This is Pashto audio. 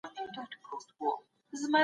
که جاسوس راز ووايي ملګري يې وژل کيږي.